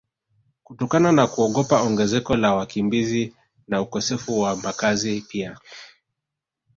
kutokana na kuogopa ongezeko la wakimbizi na ukosefu wa makazi pia